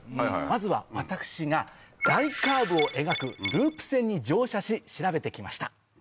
まずは私が大カーブを描くループ線に乗車し調べて来ました。